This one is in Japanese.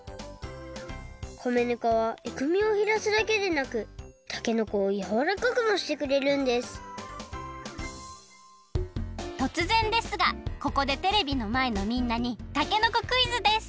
米ぬかはえぐみをへらすだけでなくたけのこをやわらかくもしてくれるんですとつぜんですがここでテレビのまえのみんなにたけのこクイズです！